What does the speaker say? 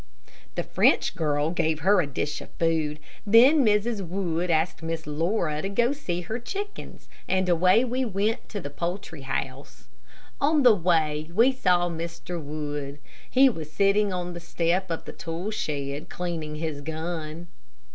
The French girl gave her a dish of food, then Mrs. Wood asked Miss Laura to go and see her chickens, and away we went to the poultry house. On the way we saw Mr. Wood. He was sitting on the step of the tool shed cleaning his gun.